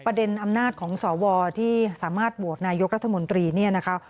ประเด็นอำนาจของสอวที่สามารถบวกนายกรัฐมนตรีเนี่ยนะครับ